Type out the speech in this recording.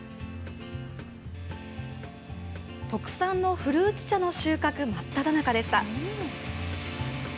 特産の古内茶の収穫真っただ中でした。